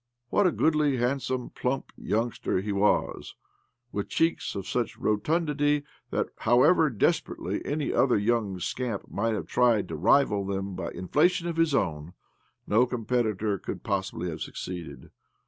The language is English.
What a gioodly, hand some, plump youngster he was, with cheeks of such rotundity that, however desperately any other young scamp might have tried to rival them by inflation of his own, no competitor could possibly have succeeded.